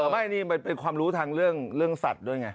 ไม่นี่มันเป็นความรู้ทางเรื่องสัตว์ด้วยไง